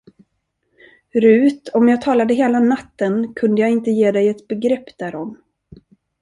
Rut, om jag talade hela natten, kunde jag inte ge dig ett begrepp därom.